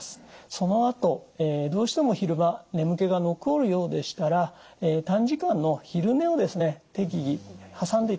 そのあとどうしても昼間眠気が残るようでしたら短時間の昼寝をですね適宜挟んでいただくのがいいと思います。